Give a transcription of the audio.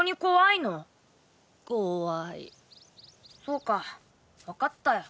そうか分かったよ。